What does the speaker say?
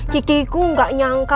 kikiku gak nyangka